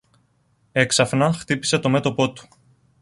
Έξαφνα χτύπησε το μέτωπο του